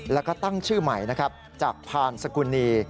แล้วก็ตั้งชื่อใหม่นะครับจากพานสกุณี